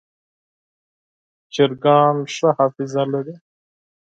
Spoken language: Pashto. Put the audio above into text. چرګان ښه حافظه لري.